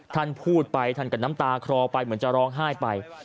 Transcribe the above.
ท่านพูดไปท่านกับน้ำตาคลอไปเหมือนจะร้องไห้ไป